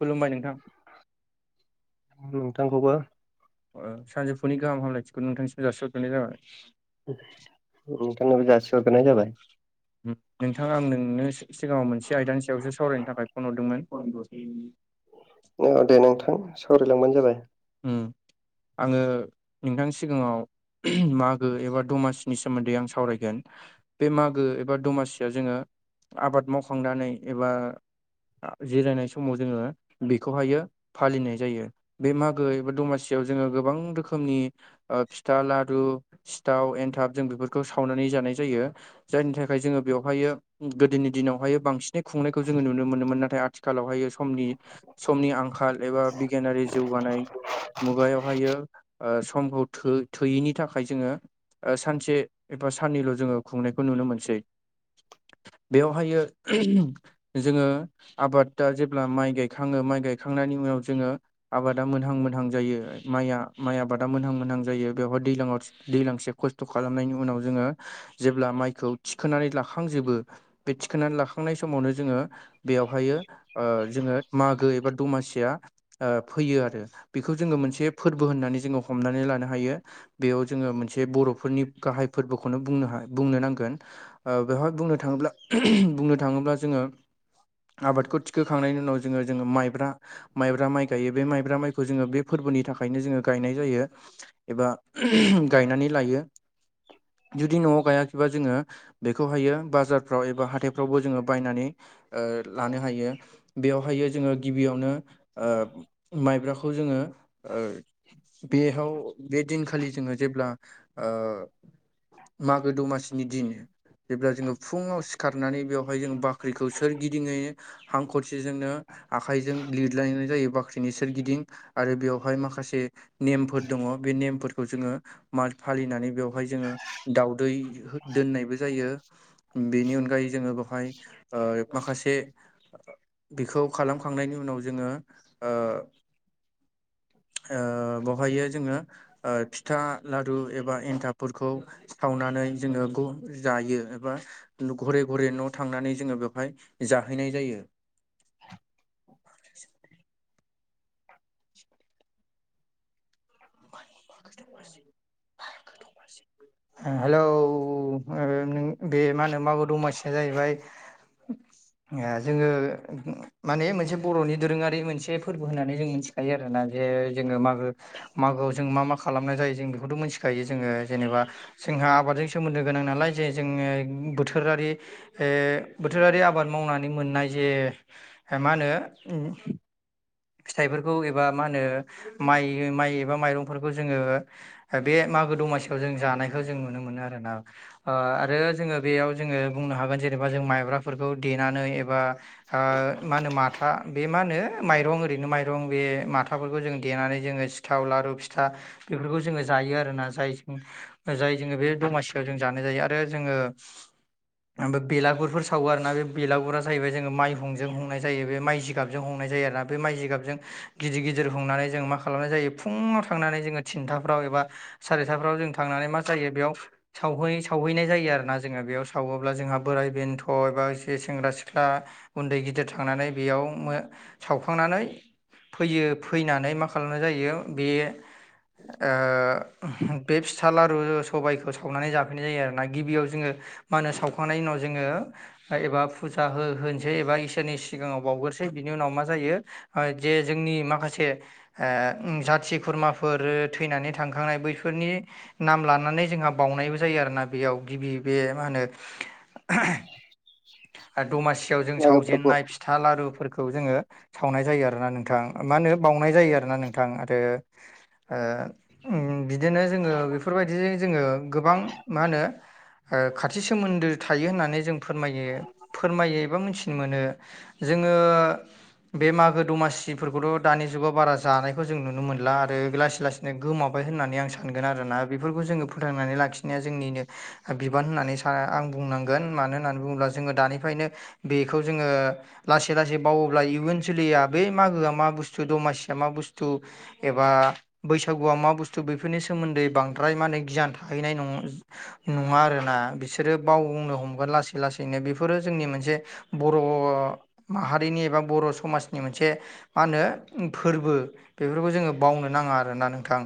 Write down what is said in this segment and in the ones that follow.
खुलुमबाय नोंथां नोंथांखौबो ओ सानजौफुनि गाहाम हामलायथिखौ नोंथांसिम जासिहरग्रोनाय जाबाय ओंथांनोबो जासि हरग्रोनाय जाबाय नोंथाङा आं नोंनो सिगाङाव मोनसे आयदानि सायावसो सावरायनो थाखाय फन हरदोंमोन औ दे नोंथां सावरायलांबानो जाबाय उम आङो नोंथांनि सिगाङाव मागो एबा दमासिनि सोमोन्दै आं सावरायगोन बे मागो एबा दमासिया जोङो आबाद मावखांनानै एबा जिरायनाय समाव जोङो बेखौहायो फालिनाय जायो बे मा ए बा दमासियाव जोङो गोबां रोखोमनि फिथा लारु सिथाव एन्थाब जों बेफोरखौ सावनानै जानाय जायो। जायनि थाखाय जोङो बेवहायो गोदोनि दिनावहाय बांसिनै खुंनायखौ जोङो नुनो मोनोमोन नाथाय आथिखालावहायो समनि समनि आंखाल एबा बिगियानारि जौगानाय मुगायावहायो ओ समखौ थो थोयैनि थाखाय जोङो सानसे एबा साननैल' जोङो खुंनायखौ नुनो मोनसै बेवहायो जोङो आबादा जेब्ला माइ गायखाङो माइ गायखांनायनि उनाव जोङो आबादा मोनहां-मोनहां जायो माइआ माइ आबादा मोनहां-मोनहां जायो बेवहाय दैज्लाङाव दैलांसे खस्थ' खालामनायनि उनाव जोङो जेब्ला माइखौ थिखोनानै लाखांजोबो। बे थिखोननानै लाखांनाय समावनो जोङो बेयावहायो ओ जोङो मागो एबा दमासिया फैयो आरो बेखौ जोङो मोनसे फोरबो होननानै जोङो हमनानै लानो हायो। बेयाव जोङो मोनसे बर'फोरनि गाहाय फोरबोखौनो बुंनो हा बुंनो नांगोन। ओ बेवहाय बुंनो थाङोब्ला बुंनो थाङोब्ला जोङो आबादखौ थिखोखांनायनि उनाव जोङो-जोङो माइब्रा-माइब्रा माइ गायो बे माइब्रा माइ खौ जोङो बे फोरबोनि थाखायनो जोङो गायनाय जायो। एबा गायनानै लायो जुदि न'आव गायाखैबा जोङो बेखौहायो बाजारफ्राव एबा हाथाइफ्रावबो जोङो बायनानै ओ लानो हायो बेयावहाय जोङो गिबियावनो माइब्राखौ जोङो ओ बेयाव बे दिनखालि जोङो जेब्ला ओ मागो दमासिनि दिन जेब्ला जोङो फुङाव सिखारनानै बेवहाय जोङो बाख्रिखौ सोरगिदिङै हांखरसेजोंनो आखाइजों लिरलायनाय जायो बाख्रिनि सोरगिदिं आरो बेवहाय माखासे नेमफोर दङ बे नेमफोरखौ जोङो मा फालिनानै बेवहाय जोङो दावदै दोननायबो जायो बेनि अनगायै जोङो बेवहाय ओ माखासे बिखौ खालामखांनायनि उनाव जोङो ओ ओ बावहायो जोङो फिथा, लारु एबा एन्थाबफोरखौ सावनानै जोङो गु जायो एबा घरे घरे न' थांनानै जोङो बेवहाय जाहैनाय जायो। [inaudible] हेलौ बे मा होनो माबो दमासिया जाहैबाय जोङो माने मोनसे बर'नि दोरोङारि मोनसे ए फोरबो होन्नानै जों मिथिखायो आरोना जे जोङो मागो मागोआव जों मा मा खालामनाय जायो जों बेखौथ' मिथिखायो जोंङो जेनेबा जोंहा आबादजों सोमोन्दो गोनां नालाय जे जोंङो बोथोरारि ओ बोथोरारि आबाद मावनानै मोननाय जे मा होनो फिथाइफोरखौ एबा मा होनो माइ माइ एबा माइरंफोरखौ जोंङो। बे मागो-दमासियाव जों जानायखौ जों नुनो मोनो आरो ना ओ आरो जोङो बेयाव जोङो बुंनो हागोन जेनेबा जों माइब्रा फोर देनानै एबा ओ मा होनो माथा बे मा होनो माइरं बिनो माइरं बे माथाफोरखौ जों देनानै जोङो सिथाव, लारु, फिथा बेफोरखौ जोङो जायो आरोना जायजों जाय जोङो बे दमासियाव जों जानाय जायो आरो जोङो ओमफ्राय बेलागुरफोर सावो आरोना बे बेलागुरा जाहैबाय जोंङो माइहुंजों हंनाय जायो बे माइ जिगाबजों हुंनाय जायो आरो ना बे माइ जिगाबजों गिदिर-गिदिर हुंनानै जोंङो मा खालामनाय जायो फुङाव थांनानै जोंङो थिनथाफ्राव एबा सारिथाफ्राव जों थांनानै मा जायो बेयाव सावहै सावहैनाय जायो आरोना जोंङो बेयाव सावोब्ला जोंहा बोराय बेन्थ' एबा एसे सेंग्रा सिख्ला उन्दै गिदिर थांनानै बेयाव सावख' फुखांनानै फैयो फैनानै मा खालामनाय जायो बे ओम बे फिथा लारु सबायाइखौ सावनानै जा जायों आरोना गिबियाव जोंङो मा होनो सावखांनायनि उनाव जोंङो जायो। -फ्राय एबा फुजा हो-होनोसै एबा इसोरनि सिगाङाव बावग्रोसै बिनि उनाव मा जायो? ओ, जे जोंनि माखासे, ओ ओमजाथि खुरमाफोर थैनानै थांखांनाय बैफोरनि नाम लानानै जोंहा बावनायबो जायो आरोना बेयाव गिबि बे मा होनो [unintelligible] दमासियाव जों मागो सावजेनन्नाय फोरबोआव फिथा लारुफोरखौ जोंङो सावनाय जायो आरोना नोंथां, मा होनो बावनाय जायो आरोना नोंथां। आरो ओ ओम बिदिनो जोंङो बेफोरबायदिजों जोंङो गोबां मा होनो? ओ खाथि सोमोन्दो थायो होननानै जों फोरमायो। [unintelligible] -फोरमायो एबा मिथिनो मोनो। जोंङो बे मागो दमासिफोरखौथ' दानि जुगाव बारा जानायखौ जों नुनो मोनला आरो लासै-लासै गोमाबाय होननानै आं सानगोन आरोना बेफोरखौ जोंङो फोथांनानै लाखिनाया जोंनिनो बिबान होननानै सानो आं बुंनांगोन मानो होननानै बुङोब्ला जोङो दानिफ्रायनो बेखौ जोंङो, लासै-लासै बावोब्ला इयुन सोलिया बै मागोआ मा बुस्थु, दमासिया मा बुस्थु, एबा बैसागुआ मा बुस्थु बेफोरनि सोमोन्दै बांद्राय माहोनो गियान थाहैनाय नङा। नङा आरोना, बिसोरो बावनो हमगोन लासै-लासैनो बेफोरो जोंनि मोनसे बर' माहारिनि एबा बर' स समाजनि मोनसे मा होनो फोरबो बेफोरखौ जोंङो बावनो नाङा आरोना नोंथां।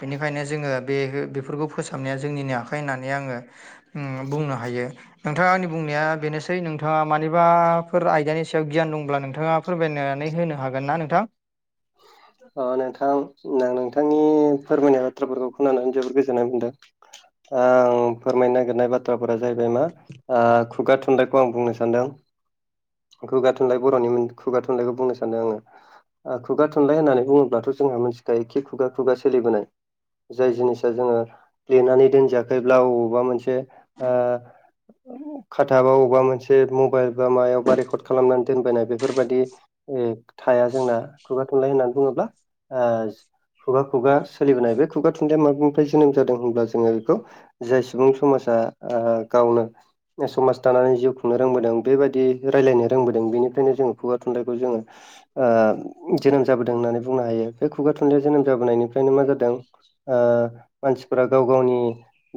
बेनिखायनो जोंङो बे बेफोरखौ फोसाबनाया जोंनिनो आखाइ होननानै आंङो, ओम बुंनो हायो। ओम नोंथाङा आंनि बुंनाया बेनोसै नोंथाङा मानि बाफोर आयदानि सायाव गियान दंब्ला नोंथाङा फोरमायनानै होनो हागोन ना नोंथां? अ नोंथां, नोंथांनि फोरमायनाय बाथ्राफोरखौ खोनानानै जोबोद गोजोननाय मोनदों। आं फोरमायनो नागिरनाय बाथ्राफोरा जाहैबाय मा? आ खुगा थुनलाइखौ आं बुंनो सानदों। खुगा थुनलाइ बर'नि खुगा थुनलाइखौ बुंनो सानदों आंङो खुगा थुनलाइ होननानै बुङोब्लाथ' जोंहा मोनथिखायो खि खुगा-खुगा सोलिबोनाय। जाय जिनिसा जो़ङो, लेनानै दोनजायाखैब्ला अबावबा मोनसे ओ [unintelligible] खाथा बा अबेबा मोनसे मबाइल बा मायावबा रेकर्ड खालामनानै दोनबायनाय बेफोरबायदि ओम, थाया जोंना, खुगा थुनलाइ होननानै बुङोब्ला ओ खुगा-खुगा सोलिबोनाय बे खुगा थुनलाइया माबनिफ्राय जोनोम जादों होनब्ला जोङो बेखौ जाय सुबुं समाजा ओ गावनो समाज दानानै जिउ खुंनो रोंबोदों बेबायदि रायज्लायनो रोंबोदों बेनिफ्रायनो जोङो खुगा थुनलाइखौ जोङो, ओ जोनोम जाबोदों होननानै बुंनो हायो। बे खुगा थुनलाइया जोनोम जाबोनायनिफ्रायनो मा जादों? ओ मानसिफोरा गाव-गावनि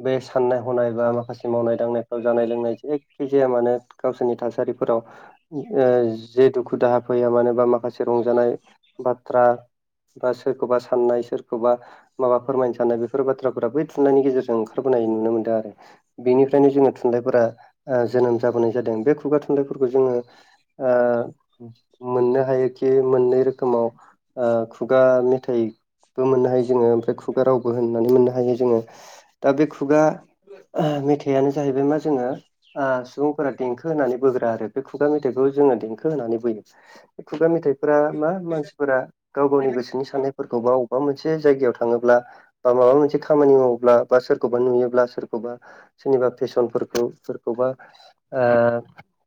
बे सानना- हनाय बा माखासे मावनाय-दांनायफ्राव जानाय-लोंनाय जेखि जाया मानो गावसोरनि थासारिफोराव, ओ जे दुखु-दाहा फैया मानोबा माखासे रंजानाय बाथ्रा बा सोरखौबा, साननाय सोरखौबा, माबा फोरमायनो साननाय बेफोर बाथ्राफोरा बै थुननायनि गेजेरजों ओंखारबोनाय नुनो मोन्दों आरो। बेनिफ्रायनो जोंङो थुनलाइफोरा जोनोम जाबोनाय जादों बे खुगा थुनलाइफोरखौ जोंङो ओ मोननो हायोखि मोननै रोखोमाव ओ खुगा मेथाइ बो मोननो हायो जोङो, ओमफ्राय खुगा रावबो होननानै मोननो हायो जोङो। दा बे खुगा [unintelligible] मेथाइआनो जाहैबाय मा जोङो ओ सुबुंफोरा देंखो होनानै बोग्रा आरो बे खुगा मेथाइखौ जोङो देंखो होनानै बोयो। खुगा मेथाइफोरा मा मानसि फोरा गाव-गावनि गोसोनि साननायफोरखौ बा अबेबा मोनसे जायगायाव थाङोब्ला, बा माबा मोनसे खामानि मावोब्ला बा सोरखौबा नुयोब्ला सोरखौबा सोरनिबा फेसनफोरखौ सोरखौबा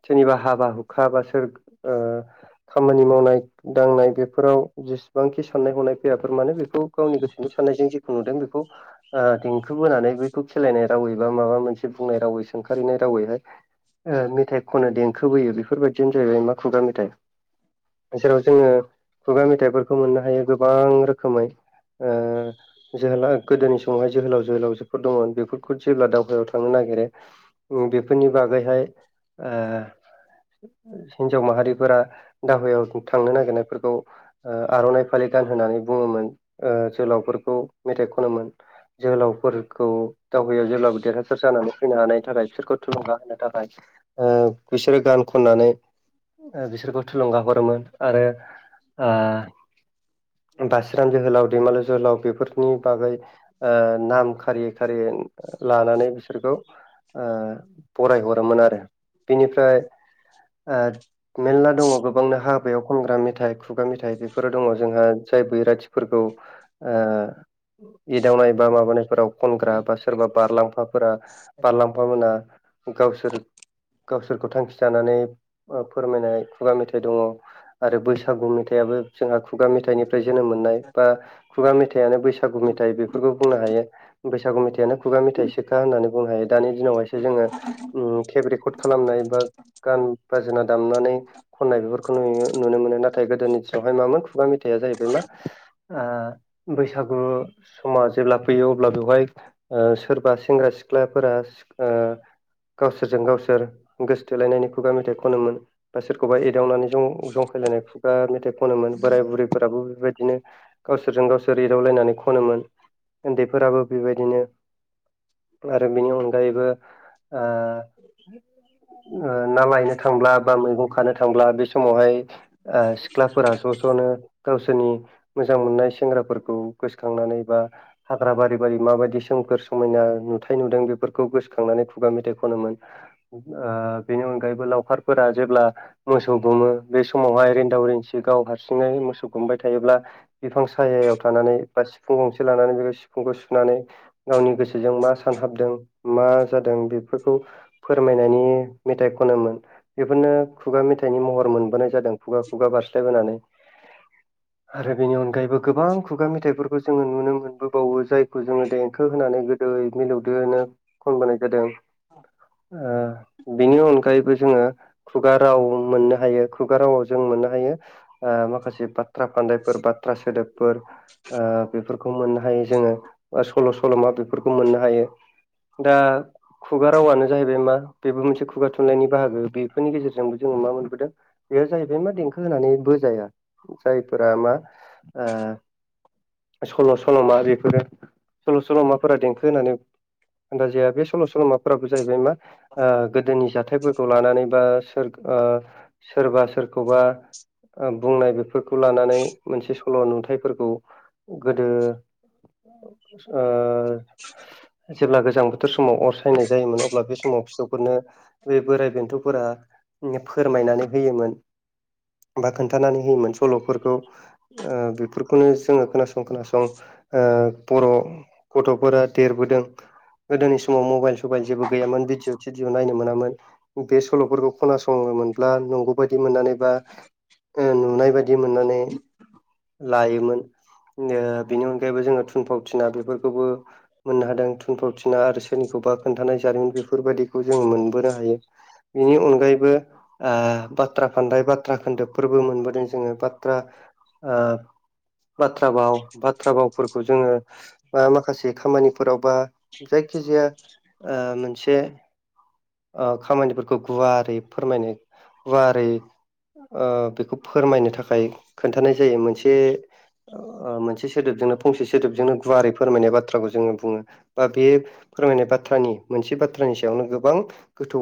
सोरनिबा हाबा हुखा बा सोर खामानि मावनाय दांनाय बे बेफोराव जेसेबांखि साननाय हनाय फैयाफोर मानोे बेखौ गावनि गोसोनि साननायजों जेखौ नुदों बेखौ ओ देंखो बोनानै बेखौ खेलायनाय रावै बा माबा मोनसे बुंनाय रावै सोंखारिनाय रावैहाय मेथाइ खनो देंखोबोयो बेफोरबायदिनो जाहैबाय मा खुगा मेथाइ जेराव जोङो खुगा मेथाइफोरखौ मोननो हायो गोबां रोखोमै जोहोलाव गोदोनि समावहाय जोहोलाव जोहोलावजोफोर दङमोन बेफोर बे जेब्ला दावहायाव थांनो नागिरो बेफोरनि बागैहाय हिन्जाव माहारिफोरा दावायाव थांनो नागिरनायफोरखौ आर'नाइ फालि गान होननानै बुङोमोन जोहोलावफोरखौ मेथाइ खनोमोन जोहोलावफोरखौ दावहायाव जेब्लाबो देरहासार जानानै फैनो हानायनि थाखाय बिसोरखौ थुलुंगा होनो थाखाय बिसोरो गान खननानै बिसोरखौ थुलुंगा हरोमोन आरो ओ बासिराम जोहोलाव दैमालु जोहोलाव बेफोरनि बागै नाम खारि खारि लानानै बिसोरखौ फरायहरोमोन आरो बिनिफ्राय मेरला दङ गोबांनो हाबायाव खनग्रा मेथाइ खुगा मेथाइ बेफोरो दङ जोंहा जाय बैराथिफोरखौ एदावनाय बा माबानायफोराव खनग्रा बा सोरबा बारलांफाफोरा बारलांफा मोना गावसोर गावसोरखौ थांखि जानानै फोरमायनाय खुगा मेथाइ दङ आरो बैसो बैसागु मेथाइआो जोंहा खुगा मेथाइनिफ्राय जोनोम मोननाय बा खुगा मेथाइयानो बैसागु मेथाइ बेफोरखौ बुंनो हायो बैसागु मेथाइयानो खुगा मेथाइसोखा होननानै बुंनो हायो दानि दिनावहसो जोङो केेब रेकर्ड खालामनाय बा गान बाजोना दामनानै खननाय बेफोरखौ नु नुनो मोनो ना नाथाय गोदोनि दिनावहाय मामोन खुगाेथाइया जाहैबाय मा ओ बैसागु समा जेब्ला फैयो अब्ला बेवहाय सोरबा सेंग्रा सिख्लाफोरा गावसोरजों गावसोर गोसोथोलायनायनि खुगा मेथाइ खनोमोन बा सोरखौबा एदावनानै ज जंखायलायनाय खुब बा मेथाइ खनोमोन बोराय बुरैफोराबो बेबायदिनो गावसोरजों गावसोर एदावलायनानै खनोमोन उन्दैफोराबो बेबायदिनो आरो बेनि अनगायैबो आ आ ना लायनो थांब्ला बा मैगं खानो थांब्ला बे स समावहाय ओ सिख्लाफोरा ज' ज'नो गावसोरनि मोजां मोननाय सेंग्राफोरखौ गोसखांनानै बा हाग्रा बारि बारि माबायदि सोमखोर समायना नुथाय नुदों बेफोरखौ गोसोखांनानै खुगा मेथाइ खनोमोन आ बिनि अनगायैबो लावखारफोरा जेब्ला मोसौ दुमो बे समावहाय रिन्दाव रिन्सि गाव हारसिङै मोसौ खुमबाय थायोब्ला बिफां सायायाव थानानै बा सिफुं गंसे लानानै बेखौ सिफुंखौ सुनानै गावनि गोसोजों मा सानहाबदों मा जादों बेफोरखौ फोरमायनायनि मेथाइ खनोमोन बेफोरनो खुगा मेथाइनि महर मोनबोनाय जादों खुगा खुगा बारस्लायबोनानै आरो बेनि अनगाय आनगायैबो गोबां खुगा मेथाइफोरखौ जोङो नुनो मोनबोबावो जायखौ जोङो देंखो होनानै गोदो मिलौदो होनो खनबाय जादों आ बिनि अनगायैबो जोङो खुगा राव मोननो हायो खुगा रावाव ज जों मोननो हायो आ माखासे बाथ्रा फान्दायफोर बाथ्रा सोदोबफोर आ बेफोरखौ मोननो हायो जोङो सल' सल'मा बेफोरखौ मोननो हायो दा खुगा रावानो जाहैबाय मा बेबो मोनसे खुगा थुनलाइनि बाहागो बेफोरनि गेजेरजोंबो जोङो मा मोनबोदों बेयो जाहैबाय मा देंखो होनानै बोजाया जायफोरा मा आ सल' सल'मा बेफोरो सल' सल'माफोरा देंखो होननानै [unintelligible] जाया बे सल' सल'माफोराबो जाहैबाय मा आ गोदोनि जा थाइफोरखौ लानानै बा सोर आ सोरबा सोरखौबा बुंनाय बेफोर लानानै मोनसे सल' नुथाइफोरखौ गोदो आ जेब्ला गोजां बोथोर समाव अर सायनाय जायोमोन अब्ला बे समाव फिसौफोरनो बे बोराइ बेन्थफोरा फोरमायनानै होयोमोन बा खोन्थानानै होयोमोन सल'फोरखौ ओ बेफोरखौनो जोङो खोनास खोनासं आ बर' गथ'फोरा देरबोदों गोदोनि समाव मबाइल सबाइल जेबो गैयामोन भिडिअ थिडिअ नायनो मोनामोन बे सल'फोरखौ खोनासङोमोनब्ला नंगौ बायदि मोननानै बा ओ नुनाय बायदि मोननानै लायोमोन [unintelligible] बिनि अनगायैबो जोङो थुनफावथिना बेफोरखौबो मोननो हादों फुनफावथिना आरो सोरनिखौबा खोन्थानाय जारिमिन बेफोरबायदिखौ जोङो मोनबोनो हायो बेनि अनगायैबो आ बाथ्रा खान्दाय बाथ्रा खोन्दोबफोरबो मोनबोदों जोङो बाथ्रा आ बाथ्रा भाव बाथ्रा भावफोरखौ जोङो बा माखासे खामानिफोराव बा जायखिजाया आ मोनसे आ खामानिफोरखौ गुवारै फोरमायनो गुवारै आ बेखौ फोरमायनो थाखाय खोन्थानाय जायो मोनसे आ मोनसे सोदोबजोंनो फंसे सोदोबजोंनो गुवारै फोरमायनाय बाथ्राखौ जोङो बुङो बा बे फोरमायनाय बाथ्रानि मोनसे बाथ्रानि सायावनो गोबां गोथौ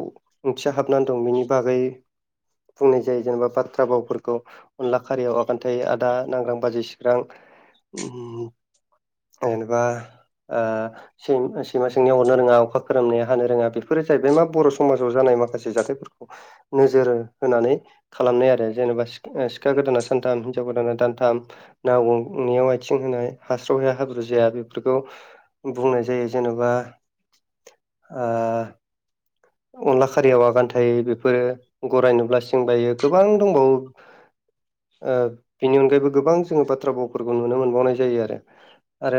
ओंथिया हाबनानै दं बिनि बागै बुंनाय जायो जेनेबा बाथ्रा बावफोरखौ अनला खारियाव आगानथायो आदा नांग्रां बाजै सिख्रां ओम जेनेबा आ सै सैमा सोंनाया हरनो रोङा अखा खोरोमनाया हानो रोङा बेफोरो जाहैबाय मा बर' समाजाव जानाय माखासे जाथायफोरखौ नोजोर होनानै खालामनाय आरो जेनेबा सिखा गोदाना सानथाम हिनजाव गोदाना दानथाम ना [unintelligible] आथिं होनाय हास्रावहाया हाब्रु जाया बे फोरखौ बुंनाय जायो जेनेबा ई अनला खारियाव आगान थायो बेफोरो गरायनो अब्ला सिं बायो गोबां दंबावो ओ बिनि अनगायैबो गोबां जोङो बाथ्रा भावफोरखौ नुनो मोनबावनाय जायो आरो आरो